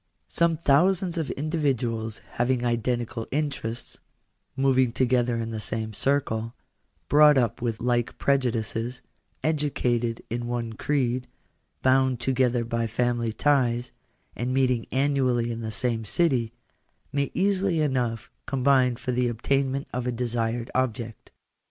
Some thousands of individuals having identical interests, moving together in the same circle, brought up with like prejudices, educated in one creed, bound together by family ties, and meeting annually in the same city, may easily enough combine for the obtainment of a desired object.